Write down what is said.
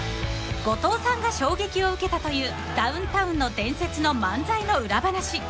［後藤さんが衝撃を受けたというダウンタウンの伝説の漫才の裏話］